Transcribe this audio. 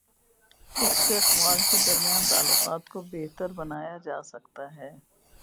اس سے اقوام کے درمیان تعلقات کو بہتر بنایا جا تا ہے۔